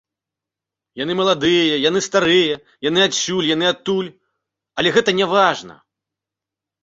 Яны маладыя, яны старыя, яны адсюль, яны адтуль, але гэта няважна.